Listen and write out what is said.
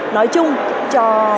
nói chung cho